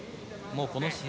この試合